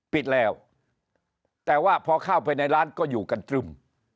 ปิดแล้วแต่ว่าพอเข้าไปในร้านก็อยู่กันตรึม